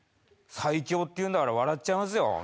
最強っていうんだから笑っちゃいますよ